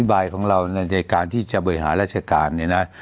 บายของเราในการที่จะบริหารราชการเนี่ยนะ